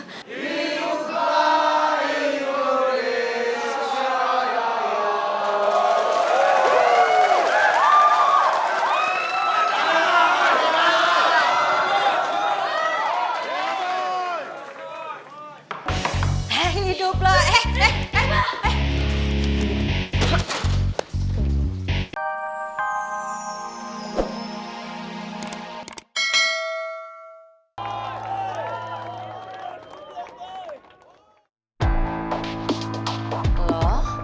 hiduplah indonesia raya